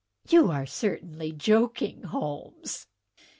"You are certainly joking. Holmes."